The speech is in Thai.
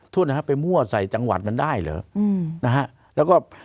โทษนะฮะไปมั่วใส่จังหวัดมันได้เหรอนะฮะแล้วก็